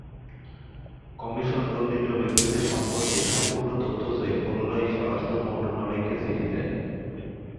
Commission দণ্ডিত ব্যক্তিদের সম্পর্কে সম্পূর্ণ তথ্য চেয়ে পুনরায় স্বরাষ্ট্র মন্ত্রণালয়কে চিঠি দেয়।